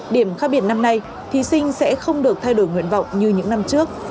điểm khác biệt năm nay thí sinh sẽ không được thay đổi nguyện vọng như những năm trước